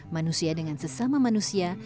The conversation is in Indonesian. manusia dengan sesama manusia